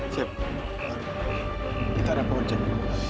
cep kita ada pohon cep